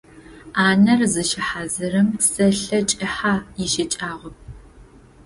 Ӏанэр зыщыхьазырым псэлъэ кӏыхьэ ищыкӏагъэп.